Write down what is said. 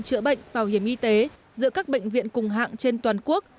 chữa bệnh bảo hiểm y tế giữa các bệnh viện cùng hạng trên toàn quốc